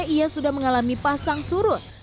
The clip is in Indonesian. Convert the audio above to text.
ia sudah mengalami pasang surut